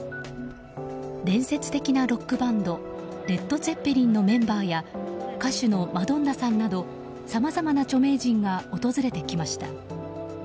伝説的なロックバンドレッド・ツェッペリンのメンバーや歌手のマドンナさんなどさまざまな著名人が訪れてきました。